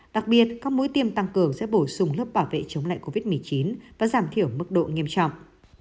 đặc biệt các mũi tiêm tăng cường sẽ bổ sung lớp bảo vệ chống lại covid một mươi chín và giảm thiểu mức độ nghiêm trọng